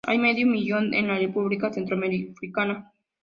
Hay medio millón en la República Centroafricana.